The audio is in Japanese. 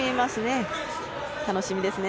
楽しみですね。